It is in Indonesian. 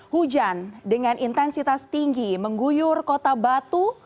hujan dengan intensitas tinggi mengguyur kota batu